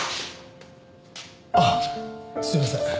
あっすいません。